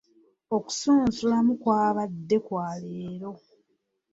Okusunsulamu kwabadde kwa leero.